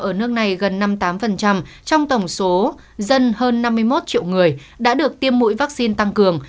ở nước này gần năm mươi tám trong tổng số dân hơn năm mươi một triệu người đã được tiêm mũi vaccine tăng cường